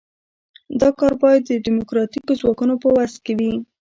دا کار باید د ډیموکراتیکو ځواکونو په وس کې وي.